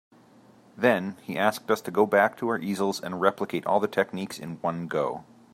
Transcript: Then, he asked us to go back to our easels and replicate all the techniques in one go.